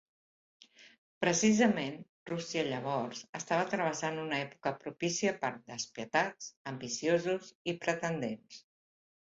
Precisament Rússia llavors estava travessant una època propícia per a despietats, ambiciosos i pretendents.